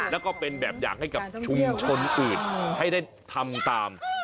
แล้วก็เป็นแบบอย่างให้กับชุมชนอื่นให้ได้ทำตาม